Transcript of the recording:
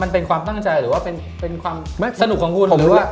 มันเป็นความตั้งใจหรือว่าเป็นความสนุกของคุณหรือว่า